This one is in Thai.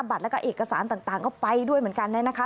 บัตรแล้วก็เอกสารต่างก็ไปด้วยเหมือนกันเนี่ยนะคะ